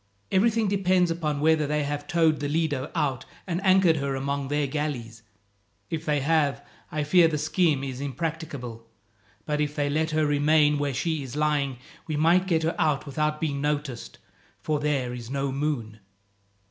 Everything depends upon whether they have towed the Lido out and anchored her among their galleys. If they have, I fear the scheme is impracticable, but if they let her remain where she is lying, we might get her out without being noticed, for there is no moon."